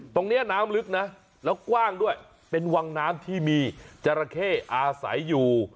ตรงนี้น้ำลึกนะแล้วกว้างด้วยเป็นวังน้ำที่มีจราเข้อาศัยอยู่